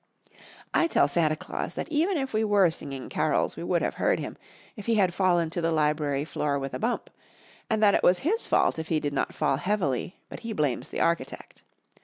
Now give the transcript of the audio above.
I tell Santa Claus that even if we were singing carols we would have heard him if he had fallen to the library floor with a bump, and that it was his fault if he did not fall heavily, but he blames the architect.